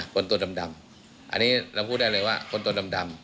ตัวดำอันนี้เราพูดได้เลยว่าคนตัวดำ